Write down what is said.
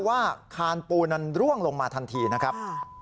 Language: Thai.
ว่าคานปูนั้นร่วงลงมาทันทีนะครับ